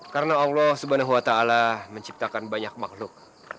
karena allah swt menciptakan banyak makhluk